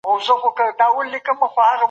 زه ښو خبرو غوږ نيسم.